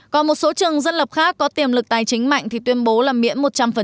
còn một số trường dân lập khác có tiềm lực tài chính mạnh thì tuyên bố là miễn một trăm linh